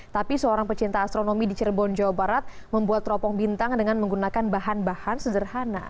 tapi seorang pecinta astronomi di cirebon jawa barat membuat teropong bintang dengan menggunakan bahan bahan sederhana